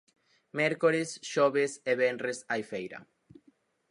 Mércores, xoves e venres hai feira